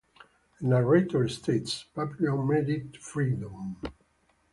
A narrator states: Papillon made it to freedom.